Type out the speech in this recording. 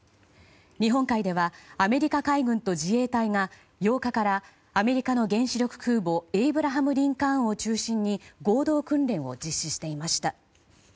日本海では、アメリカ海軍と自衛隊が８日からアメリカの原子力空母「エイブラハム・リンカーン」を中心に合同訓練を実施していました。